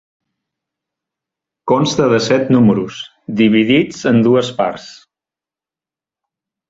Consta de set números, dividits en dues parts.